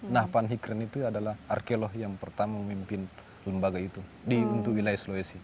nah panikren itu adalah arkeloh yang pertama memimpin lembaga itu untuk wilayah sulawesi